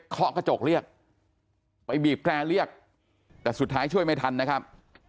เคาะกระจกเรียกไปบีบแกร่เรียกแต่สุดท้ายช่วยไม่ทันนะครับ